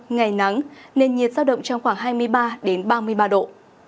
ngày nắng nền nhiệt giao động trong khoảng hai mươi ba ba mươi ba độ